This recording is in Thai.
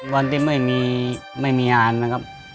วันที่ไม่มีไม่มีงานนะครับ